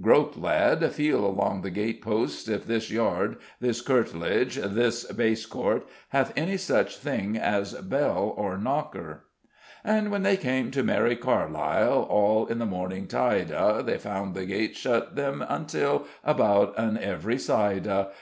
Grope, lad, feel along the gate posts if this yard, this courtlage, this base court, hath any such thing as bell or knocker. _And when they came to mery Carleile All in the mornyng tyde a, They found the gates shut them until About on every syde a.